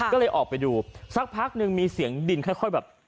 ก็เลยออกไปดูสักพักหนึ่งมีเสียงดินค่อยแบบ